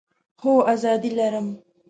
هو، آزادي لرم